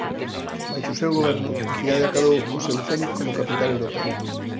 Baixo o seu goberno a cidade acadou o seu cénit como capital europea.